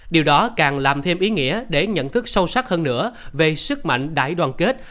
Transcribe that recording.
điều đó càng làm thêm ý nghĩa để nhận thức sâu sắc hơn nữa về sức mạnh đại đoàn kết